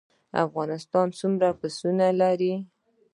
افغانستان څومره پسونه لري؟